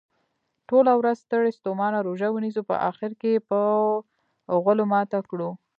ټوله ورځ ستړي ستوماته روژه ونیسو په اخرکې یې په غولو ماته کړو.